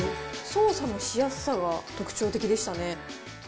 操作のしやすさが特徴的でしたね。